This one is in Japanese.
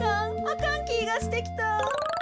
あかんきがしてきた。